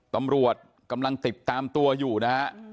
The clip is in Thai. ตำรวจกำลังติดตามตัวอยู่นะฮะ